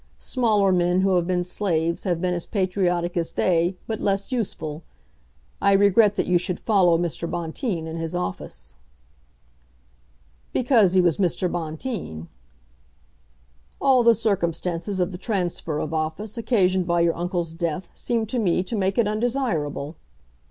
Smaller men who have been slaves, have been as patriotic as they, but less useful. I regret that you should follow Mr. Bonteen in his office." "Because he was Mr. Bonteen." "All the circumstances of the transfer of office occasioned by your uncle's death seem to me to make it undesirable.